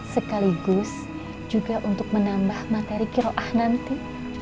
sekaligus juga untuk menambah materi kiroah nanti